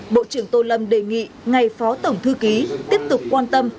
bộ trưởng tô lâm đề nghị ngày phó tổng thư ký tiếp tục quan tâm